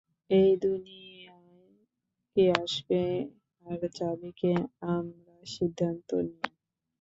এই দুনিয়ায় কে আসবে আর যাবে সে আমরা সিদ্ধান্ত নিই।